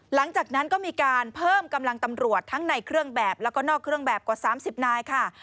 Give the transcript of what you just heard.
หลังจากนั้นก็มีการเพิ่มกำลังตำรวจทั้งในเครื่องแบบแล้วก็นอกเครื่องแบบกว่า๓๐นายค่ะ